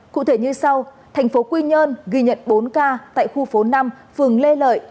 cụ thể như sau thành phố quy nhơn ghi nhận bốn ca tại khu phố năm phường lê lợi